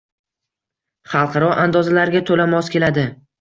Xalqaro andozalarga to‘la mos keladi.